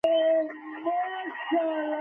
په اېټالیا کې د ځمکو د وېش په برخه کې طرحه وه